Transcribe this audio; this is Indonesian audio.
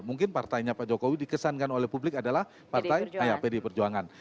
mungkin partainya pak jokowi dikesankan oleh publik adalah partai pd perjuangan